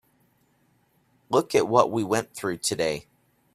Look at what we went through today.